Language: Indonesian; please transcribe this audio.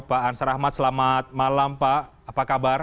pak ansar ahmad selamat malam pak apa kabar